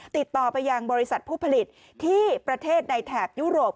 ติดต่อไปยังบริษัทผู้ผลิตที่ประเทศในแถบยุโรป